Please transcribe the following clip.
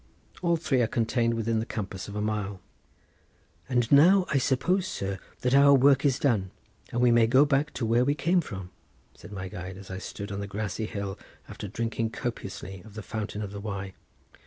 All three are contained within the compass of a mile. "And now, I suppose, sir, that our work is done, and we may go back to where we came from," said my guide, as I stood on the grassy hill after drinking copiously of the fountain of the Wye.